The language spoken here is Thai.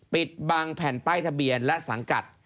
ปิดบังแผ่นป้ายทะเบียนและสังกัด